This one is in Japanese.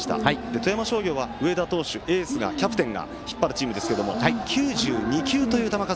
富山商業は、上田投手エースでキャプテンが引っ張るチームですが９２球という球数。